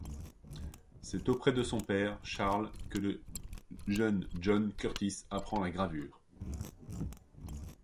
C’est auprès de son père, Charles, que le jeune John Curtis apprend la gravure.